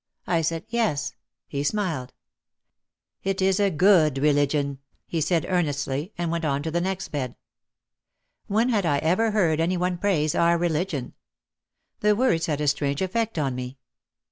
I said, "Yes." He smiled. "It is a good religion," he said earnestly and went on to the next bed. When had I ever heard any one praise our religion? The words had a strange effect on me.